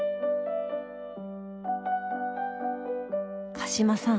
鹿島さん